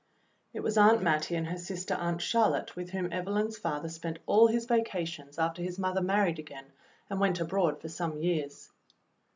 It was Aunt Mattie and her sister Aunt Charlotte with whom Evelyn's father spent all his vacations after his mother married again and went abroad for some years.